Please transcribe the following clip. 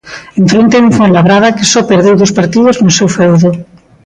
En fronte, un Fuenlabrada que só perdeu dous partidos no seu feudo.